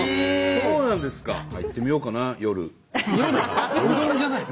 そうなんですか！